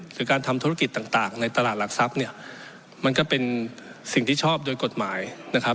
คือการทำธุรกิจต่างในตลาดหลักทรัพย์เนี่ยมันก็เป็นสิ่งที่ชอบโดยกฎหมายนะครับ